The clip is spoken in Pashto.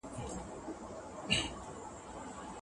په کڅوڼي کي مي یو څو نوي کاغذونه ایښي وو.